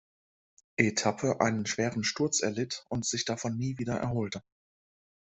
Etappe einen schweren Sturz erlitt und sich davon nie wieder erholte.